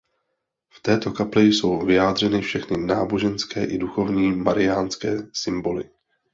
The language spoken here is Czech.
V této kapli jsou vyjádřeny všechny náboženské i duchovní mariánské symboly.